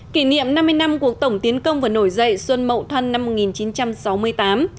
kỷ niệm năm mươi năm cuộc tổng tiến công và nổi dậy xuân mậu thân năm một nghìn chín trăm sáu mươi tám